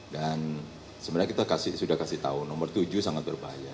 dan sebenarnya kita sudah kasih tau nomor tujuh sangat berbahaya